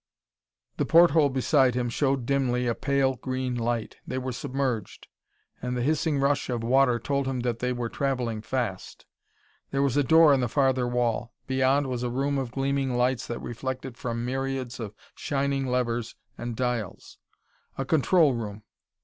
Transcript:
The porthole beside him showed dimly a pale green light; they were submerged, and the hissing rush of water told him that they were travelling fast. There was a door in the farther wall; beyond was a room of gleaming lights that reflected from myriads of shining levers and dials. A control room.